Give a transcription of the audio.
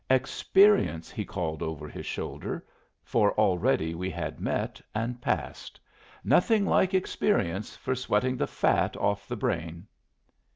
"Experience," he called over his shoulder (for already we had met and passed); "nothing like experience for sweating the fat off the brain."